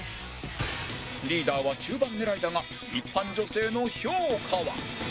リーダーは中盤狙いだが一般女性の評価は？